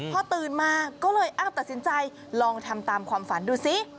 พอตื่นมาก็เลยตัดสินใจลองทำตามความฝันดูสิ